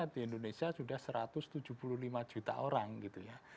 di indonesia sudah satu ratus tujuh puluh lima juta orang gitu ya